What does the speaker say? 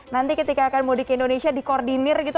nanti ketika akan mudik indonesia di koordinir gitu